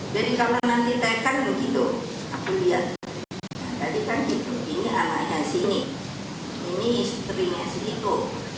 jadi kalau nanti tekan begitu aku lihat tadi kan gitu ini anaknya sini ini istrinya situ